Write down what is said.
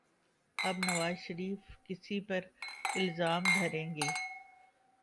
اب نواز شریف کس پہ الزام دھریں گے؟